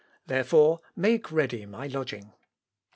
Therefore, make ready my lodging."